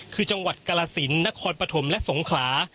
คือจังหวัดกาลสินนครปฐมและสงขลา